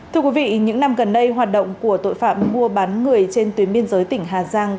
thưa quý vị những năm gần đây hoạt động của tội phạm mua bán người trên tuyến biên giới tỉnh hà giang